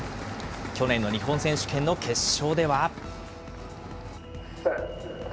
去年の日本選手権の決勝では。